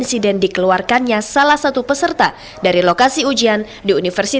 sementara pelaku saat diperiksa membantah jika dirinya joki